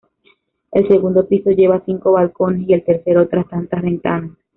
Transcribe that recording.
El segundo piso lleva cinco balcones y el tercero otras tantas ventanas.